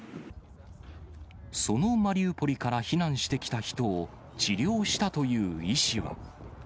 そのマリウポリから避難してきた人を、治療したという医師は。